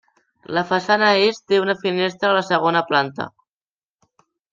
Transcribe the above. La façana est té una finestra a la segona planta.